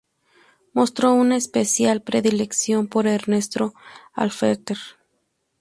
Mostró una especial predilección por Ernesto Halffter.